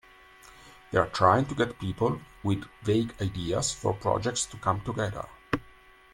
They're trying to get people with vague ideas for projects to come together.